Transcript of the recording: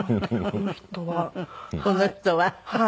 この人は？